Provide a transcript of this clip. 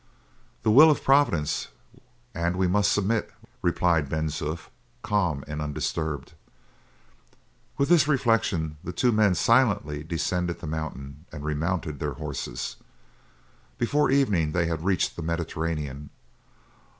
"The will of Providence, and we must submit," replied Ben Zoof, calm and undisturbed. With this reflection, the two men silently descended the mountain and remounted their horses. Before evening they had reached the Mediterranean.